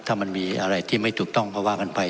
ถ้ามันมีอะไรที่ไม่ถูกต้องก็ว่ากันไป